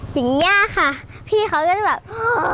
อย่างเงี้ยค่ะพี่เขาก็จะแบบโอ้